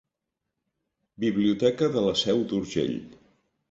Biblioteca de la Seu d'Urgell.